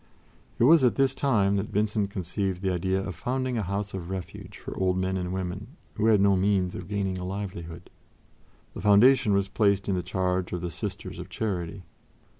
It was at this time that Vincent conceived the idea of founding a house of refuge for old men and women who had no means of gaining a livelihood. The foundation was placed in the charge of the Sisters of Charity.